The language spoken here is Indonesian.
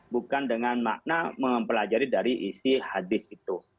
bukan dengan makna mempelajari dari isi hadis itu